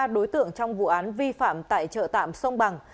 ba đối tượng trong vụ án vi phạm tại chợ tạm sông bằng